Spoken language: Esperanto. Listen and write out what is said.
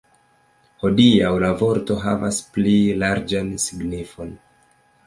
Hodiaŭ, la vorto havas pli larĝan signifon.